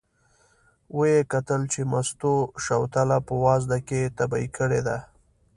و یې کتل چې مستو شوتله په وازده کې تبی کړې ده.